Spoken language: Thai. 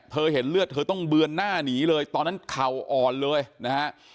เห็นเลือดเธอต้องเบือนหน้าหนีเลยตอนนั้นเข่าอ่อนเลยนะฮะ